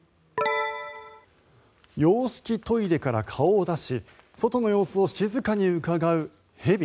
洋式トイレから顔を出し外の様子を静かにうかがう蛇。